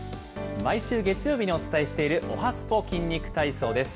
毎週月曜日にお伝えしている、おはＳＰＯ筋肉体操です。